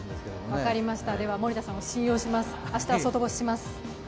分かりました、では森田さんを信用します、明日は外干しします。